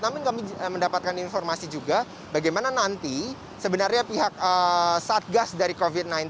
namun kami mendapatkan informasi juga bagaimana nanti sebenarnya pihak satgas dari covid sembilan belas